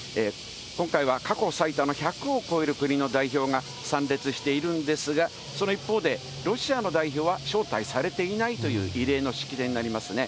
今回は過去最多の１００を超える国の代表が参列しているんですが、その一方で、ロシアの代表は招待されていないという、異例の式典になりますね。